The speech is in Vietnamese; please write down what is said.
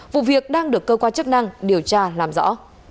vụ việc đang được cơ quan chức năng điều tra làm rõ